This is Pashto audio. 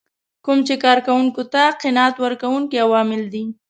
کوم چې کار کوونکو ته قناعت ورکوونکي عوامل دي.